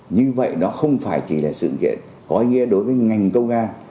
như vậy đó không phải chỉ là sự kiện có ý nghĩa đối với ngành công an